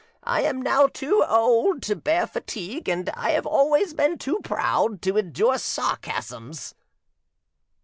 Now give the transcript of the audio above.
I am now too old to bear fatigue, and I have, always been too proud to endure sarcasms."